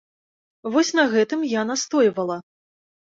Вось на гэтым я настойвала.